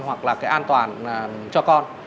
hoặc là cái an toàn cho con